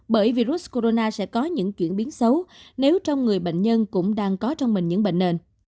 bởi virus corona sẽ có những chuyển biến xấu nếu trong người bệnh nhân cũng đang có trong mình những bệnh nền